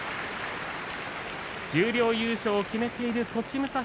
十両優勝を決めている栃武蔵